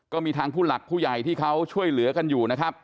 ก็มีทางผู้หลักผู้ใหญ่ที่เขาช่วยเหลือกันอยู่นะครับ